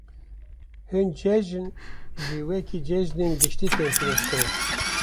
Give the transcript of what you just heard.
Hin cejn, jî weke cejinên giştî tên pîrozkirin.